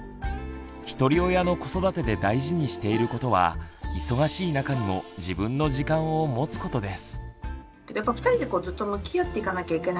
ひとり親の子育てで大事にしていることは忙しい中にも自分の時間を持つことです。